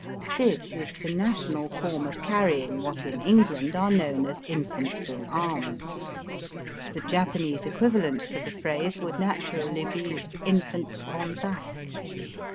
This is the national form of carrying what in England are known as infants in arms. The Japanese equivalent to the phrase would naturally be infants on back.